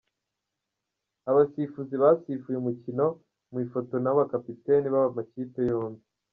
Abasifuzi basifuye umukino mu ifoto n'abakapiteni b'amakipe yombi.